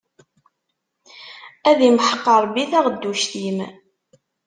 Ad imḥeq Ṛebbi taɣedduct-im!